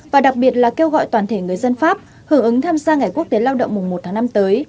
và đặc biệt là kêu gọi toàn thể người dân pháp hưởng ứng tham gia ngày quốc tế lao động mùng một tháng năm tới